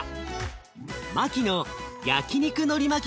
マキの焼肉のり巻き